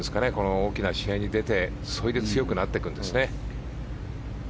大きな試合に出てそれで強くなっていくんですね。